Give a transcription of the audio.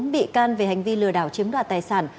bốn bị can về hành vi lừa đảo chiếm đoạt tài sản